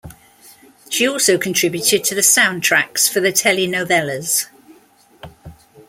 She also contributed to the soundtracks for the telenovelas.